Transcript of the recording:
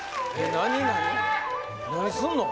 何すんの？